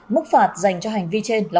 mức phạt dành cho hành vi trên là